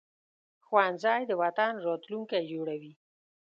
ښوونځی د وطن راتلونکی جوړوي